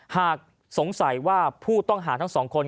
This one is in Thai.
หากสงสัยว่าผู้ต้องหาทั้งสองคน